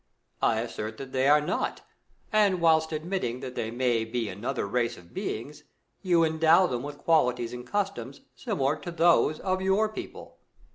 I assert that they are not, and whilst admit ting that they may be another race of beings, you endow them with qualities and customs similar to those of your people.